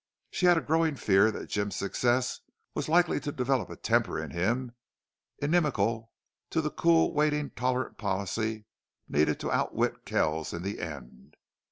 She had a growing fear that Jim's success was likely to develop a temper in him inimical to the cool, waiting, tolerant policy needed to outwit Kells in the end.